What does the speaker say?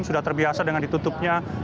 sudah terbiasa dengan ditutupnya